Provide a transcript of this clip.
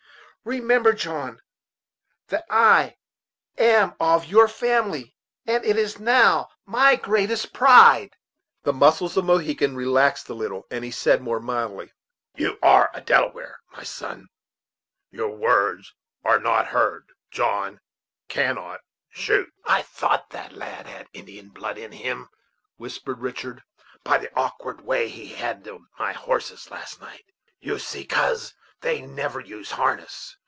Remember, John, that I am of your family, and it is now my greatest pride." The muscles of Mohegan relaxed a little, and he said, more mildly: "You are a Delaware, my son; your words are not heard John cannot shoot." "I thought that lad had Indian blood in him," whispered Richard, "by the awkward way he handled my horses last night. You see, coz, they never use harness.